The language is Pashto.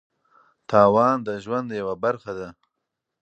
تاوان د ژوند یوه برخه ده.